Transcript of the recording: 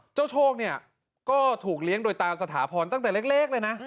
โชคเนี่ยก็ถูกเลี้ยงโดยตาสถาพรตั้งแต่เล็กเลยนะ